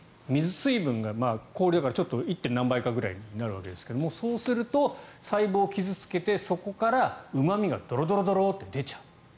水分が氷だから１．何倍かぐらいになるわけですがそうすると、細胞を傷付けてそこからうま味がドロドロドロッて出ちゃう。